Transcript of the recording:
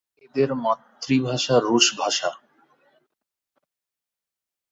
এদের মাতৃভাষা রুশ ভাষা।